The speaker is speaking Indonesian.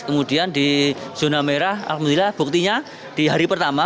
kemudian di zona merah alhamdulillah buktinya di hari pertama